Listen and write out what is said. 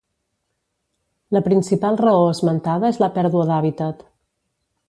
La principal raó esmentada és la pèrdua d'hàbitat.